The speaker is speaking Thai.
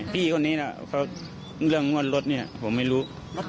พี่คนนี้นะเรื่องงวดรถเนี่ยผมไม่รู้